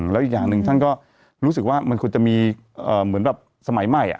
แล้วอีกอย่างหนึ่งท่านก็รู้สึกว่ามันควรจะมีเหมือนแบบสมัยใหม่